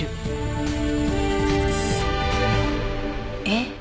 えっ？